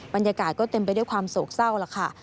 บรรยากาศก็เต็มไปด้วยความโศกเศร้าแล้วค่ะ